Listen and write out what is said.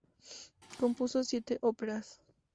Compuso siete óperas.